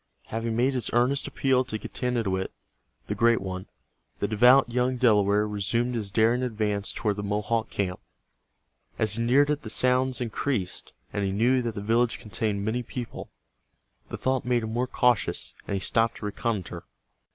Having made this earnest appeal to Getanittowit, the Great One, the devout young Delaware resumed his daring advance toward the Mohawk camp. As he neared it the sounds increased, and he knew that the village contained many people, The thought made him more cautious, and he stopped to reconnoiter.